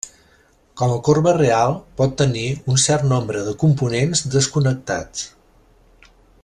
Com a corba real, pot tenir un cert nombre de components desconnectats.